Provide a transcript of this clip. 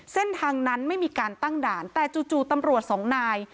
เส้นทางนั้นไม่มีการตั้งด่านแต่จู่ตำรวจสองนาย